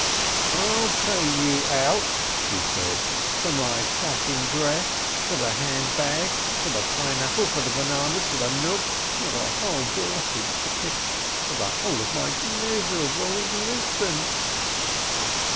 A PICNIC 365 "I'll pay you out," she said, "for my satin dress, for the hand bag, for the pineapple, for the bananas, for the milk, for the whole blessed picnic, for the whole of my miserable existence."